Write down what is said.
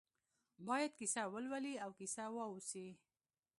باید کیسه ولولي او کیسه واوسي.